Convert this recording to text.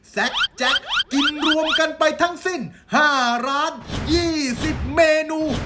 แจ็คกินรวมกันไปทั้งสิ้น๕ร้าน๒๐เมนู